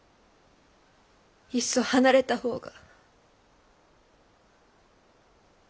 いっそ離れたほうが。